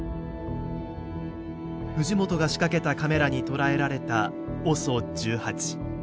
藤本が仕掛けたカメラに捉えられたＯＳＯ１８。